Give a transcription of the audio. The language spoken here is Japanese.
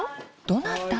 どなた？